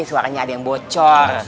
suaranya ada yang bocor